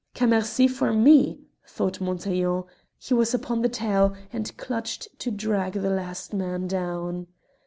"Cammercy for me!" thought Montaiglon: he was upon the tail, and clutched to drag the last man down.